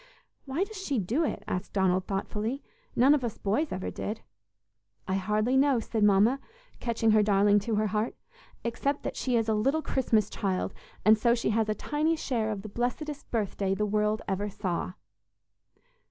"Why does she do it?" asked Donald, thoughtfully; "None of us boys ever did." "I hardly know," said Mama, catching her darling to her heart, "except that she is a little Christmas child, and so she has a tiny share of the blessedest birthday the world ever saw!"